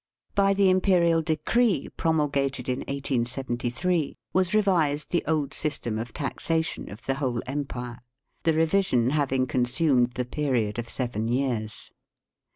By the imperial decree promulgated in 1873 was revised the old system of taxation of the whole empire, the revision having con sumed the period of seven years.